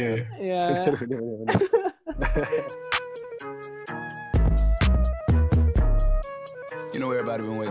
ya tapi kalo lu ga ada badan yang besar